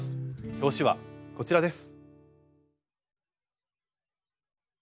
表紙はこちらです。